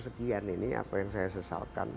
sekian ini apa yang saya sesalkan